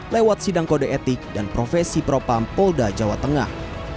lewat sidang kode etik dan profesi propam polda jawa tengah